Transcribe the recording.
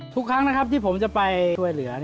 ทุกครั้งนะครับที่ผมจะไปช่วยเหลือ